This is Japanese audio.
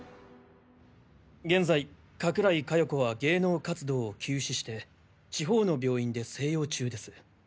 現在加倉井加代子は芸能活動を休止して地方の病院で静養中です。